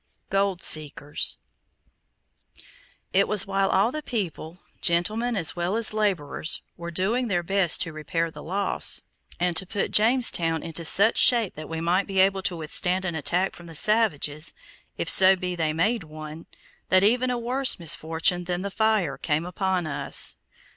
GOLD SEEKERS It was while all the people, gentlemen as well as laborers, were doing their best to repair the loss, and to put Jamestown into such shape that we might be able to withstand an attack from the savages, if so be they made one, that even a worse misfortune than the fire came upon us.